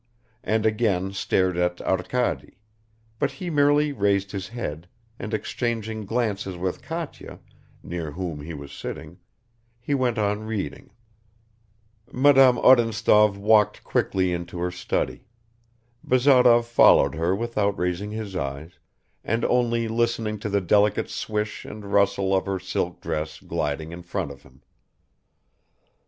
and again stared at Arkady, but he merely raised his head, and exchanging glances with Katya, near whom he was sitting, he went on reading. Madame Odintsov walked quickly into her study. Bazarov followed her without raising his eyes, and only listening to the delicate swish and rustle of her silk dress gliding in front of him.